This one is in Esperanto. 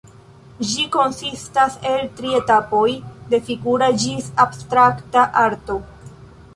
Ĝi konsistas el tri etapoj, de figura ĝis abstrakta arto.